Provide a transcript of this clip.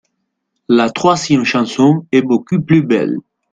La troisième chanson est beaucoup plus belle.